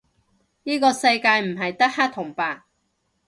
依個世界唔係得黑同白